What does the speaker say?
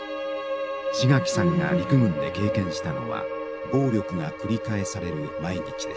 志垣さんが陸軍で経験したのは暴力が繰り返される毎日でした。